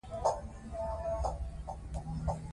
ملالۍ به غازیانو ته اوبه رسولې.